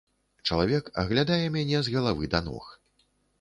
Чалавек аглядае мяне з галавы да ног.